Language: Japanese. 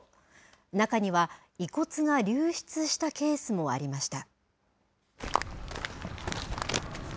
中には、遺骨が流失したケースもありました。